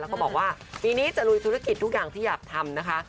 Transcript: แล้วก็บอกว่าปีนี้จะลุยธุรกิจทุกอย่างที่อยากทำนะคะ